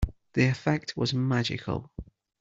The effect was magical.